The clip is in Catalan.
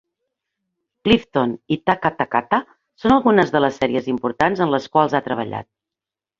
"Clifton" i "Taka Takata" són algunes de les sèries importants en les quals ha treballat.